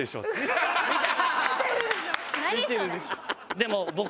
でも僕ね